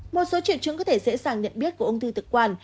một số triệu chứng có thể sẽ sàng nhận biết của ông thư thực quản